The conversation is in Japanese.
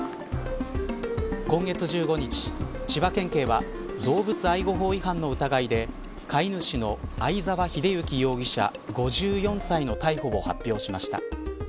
今月１５日、千葉県といえば動物愛護法違反の疑いで飼い主の相沢英之容疑者５４歳の逮捕を発表しました。